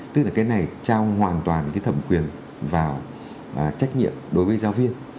tức là cái này trao hoàn toàn thẩm quyền vào trách nhiệm đối với giáo viên